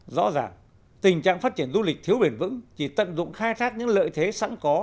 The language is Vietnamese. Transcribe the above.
rõ ràng tình trạng phát triển du lịch thiếu bền vững chỉ tận dụng khai thác những lợi thế sẵn có